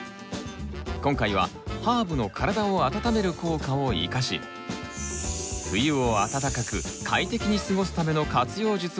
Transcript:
今回はハーブの体を温める効果を生かし冬を暖かく快適に過ごすための活用術をご紹介します。